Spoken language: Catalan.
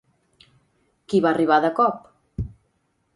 Qui va arribar de cop?